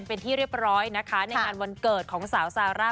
เป็นที่เรียบร้อยในการวันเกิดของสาวสาวอาหารา